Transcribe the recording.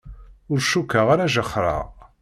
Ur cukkeɣ ara jexxreɣ.